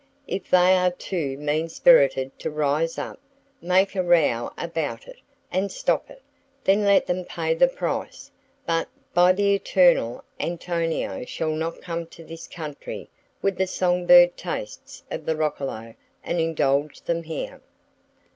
If they are too mean spirited to rise up, make a row about it, and stop it, then let them pay the price; but, by the Eternal, Antonio shall not come to this country with the song bird tastes of the roccolo and indulge them here!